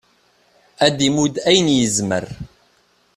ad d-imudd ayen yezmer